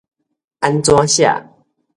按怎寫